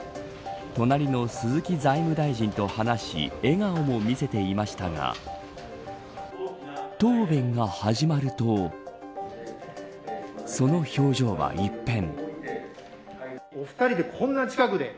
隣の鈴木財務大臣と話し笑顔も見せていましたが答弁が始まるとその表情は一変。